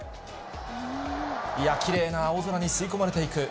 きれいな青空に吸い込まれていく。